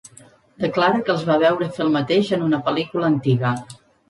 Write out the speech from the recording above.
Declara que els va veure fer el mateix en una pel·lícula antiga.